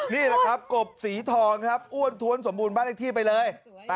นี่แหละครับกบสีทองครับอ้วนท้วนสมบูรณบ้านเลขที่ไปเลย